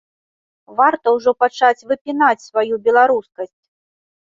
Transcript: Варта ўжо пачаць выпінаць сваю беларускасць.